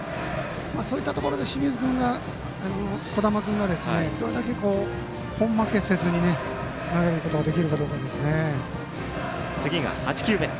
そういったところで小玉君がどれだけ根負けせずに投げることができるかどうかです。